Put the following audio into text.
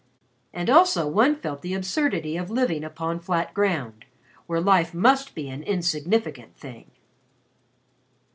And also one felt the absurdity of living upon flat ground, where life must be an insignificant thing.